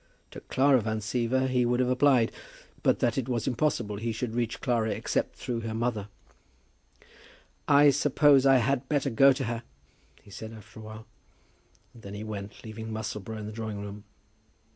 To Clara Van Siever he would have applied, but that it was impossible he should reach Clara except through her mother. "I suppose I had better go to her," he said, after a while. And then he went, leaving Musselboro in the drawing room.